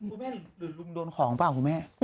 คุณแม่ดูมันโดนของบ้างคุณแม่